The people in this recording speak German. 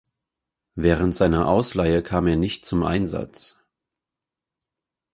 Während seiner Ausleihe kam er nicht zum Einsatz.